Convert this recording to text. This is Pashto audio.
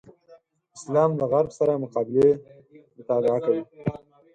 اسلام له غرب سره مقابلې مطالعه کوي.